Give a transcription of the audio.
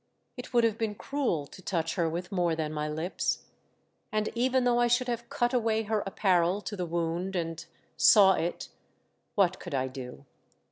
It would have been cruel to touch her with more than my lips. And even though I should have cut away her apparel to the wound and saw it, what could I do